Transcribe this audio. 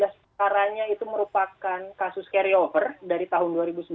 satu ratus lima belas sekarangnya itu merupakan kasus carryover dari tahun dua ribu sembilan belas